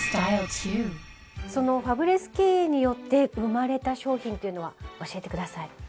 そのファブレス経営によって生まれた商品っていうのを教えてください。